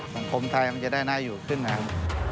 สังคมไทยมันจะได้น่าอยู่ขึ้นนะครับ